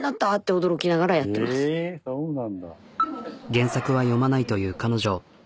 原作は読まないという彼女。